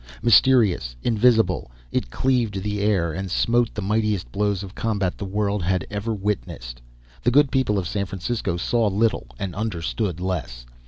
Mysterious, invisible, it cleaved the air and smote the mightiest blows of combat the world had ever witnessed. The good people of San Francisco saw little and understood less.